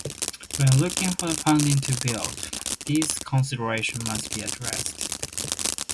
When looking for funding to build, these considerations must be addressed.